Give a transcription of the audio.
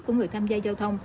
của người tham gia giao thông